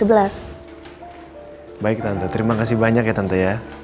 baik tante terima kasih banyak ya tanto ya